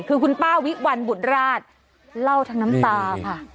คือคุณป้าวิวัลบุตรราชเล่าทั้งน้ำตาค่ะ